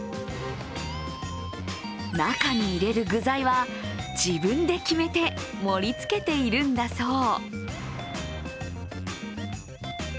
中に入れる具材は自分で決めて盛りつけているんだそう。